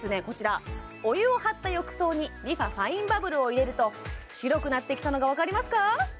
こちらお湯を張った浴槽にＲｅＦａファインバブルを入れると白くなってきたのが分かりますか？